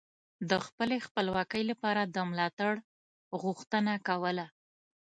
د خپلې خپلواکۍ لپاره د ملاتړ غوښتنه کوله